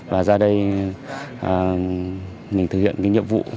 và ra đây mình thực hiện cái nhiệm vụ